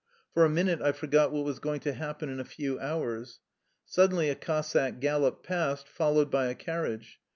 For a min ute I forgot what was going to happen in a few hours. Suddenly a Cossack galloped past, fol lowed by a carriage.